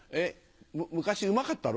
昔うまかったろ？